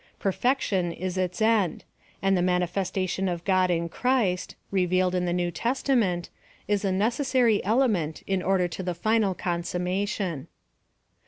perfection is its end; and the mani festation of God in Christ, revealed in the New Testament, is a necessary element in order to the final consummation.